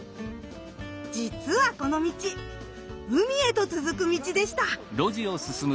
じつはこの道海へと続く道でした！